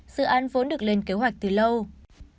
dự án vốn được lên kế hoạch từ lâu